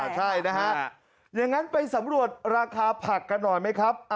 ใช่นะฮะอย่างนั้นไปสำรวจราคาผักกันหน่อยไหมครับ